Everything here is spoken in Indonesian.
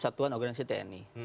satuan organisasi teknologi